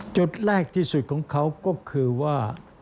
จุดแรกที่สุดของเขาก็คือว่า